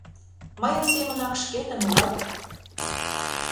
Мыйын семынак шкетын улат.